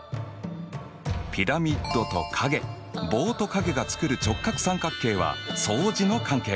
ピラミッドと影棒と影がつくる直角三角形は相似の関係。